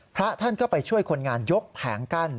พระท่านก็ไปช่วยคนงานยกแผงกั้น